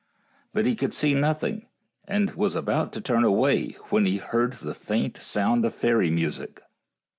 But he could see nothing, and 74 FAIRY TALES was about to turn away when he heard the faint sound of fairy music.